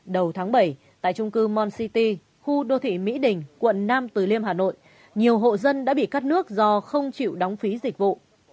đầu tháng bảy tại trung cư mon city khu đô thị mỹ đình quận nam từ liêm hà nội nhiều hộ dân đã bị cắt nước do không chịu đóng phí dịch vụ